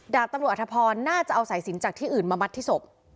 ดาบตำรวจอธพรน่าจะเอาสายสินจากที่อื่นมามัดที่ศพ